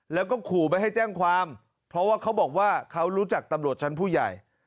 แล้วก็ขู่ไปให้แจ้งความเพราะว่าเขาบอกว่าเขารู้จักตำรวจชั้นผู้ใหญ่